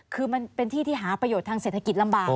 คือมันเป็นที่ที่หาประโยชน์ทางเศรษฐกิจลำบาก